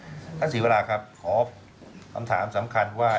ท่านศรีวราครับขอคำถามสำคัญว่า